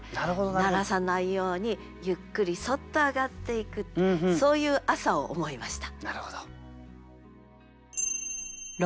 鳴らさないようにゆっくりそっと上がっていくってそういう朝を思いました。